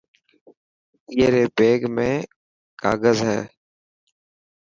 اي ري بيگ ۾ ڪاگز هي.